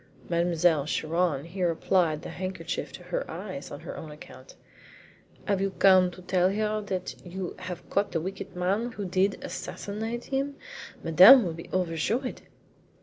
Mademoiselle Chiron here applied the handkerchief to her eyes on her own account. "Have you come to tell her that you have caught the wicked man who did assassinate him? Madame will be overjoyed!"